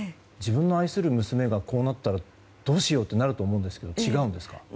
自分の愛する娘がこうなったらどうしようと思うと思うんですが違うんですか。